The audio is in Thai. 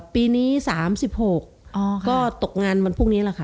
ปีนี้๓๖ก็ตกงานวันพรุ่งนี้แหละค่ะ